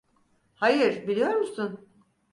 Hayır, biliyor musun?